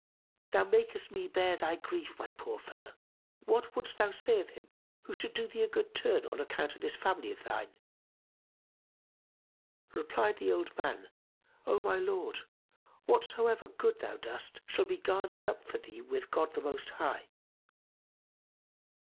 Thou makest me bear thy grief my poor fellow! What wouldst thou say of him who should do thee a good turn, on account of this family of thine?" Replied the old man, "O my lord, whatsoever good thou dost shall be garnered up for thee with God the Most High!"